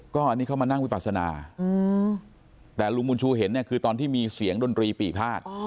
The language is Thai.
ก็อันนี้เขามานั่งวิปัสนาแต่ลุงบุญชูเห็นเนี่ยคือตอนที่มีเสียงดนตรีปีภาษ